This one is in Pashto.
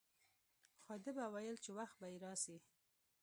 خو ده به ويل چې وخت به يې راسي.